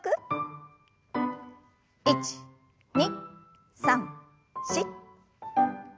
１２３４。